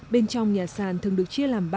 bên trong nhà sàn thường được chia làm ba